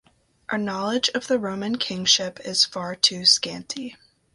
Our knowledge of the Roman kingship is far too scanty.